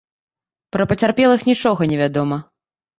Пра пацярпелых нічога не вядома.